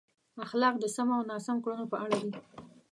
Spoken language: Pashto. اخلاق د سمو او ناسم کړنو په اړه دي.